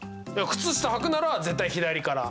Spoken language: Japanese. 靴下はくなら絶対左から。